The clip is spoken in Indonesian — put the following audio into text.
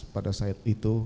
pada saat itu